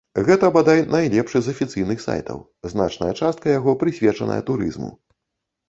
Гэта, бадай, найлепшы з афіцыйных сайтаў, значная частка яго прысвечаная турызму.